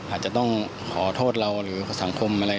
อาจจะต้องขอโทษเราหรือสังคมอะไร